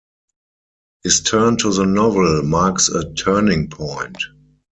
His turn to the novel marks a turning point.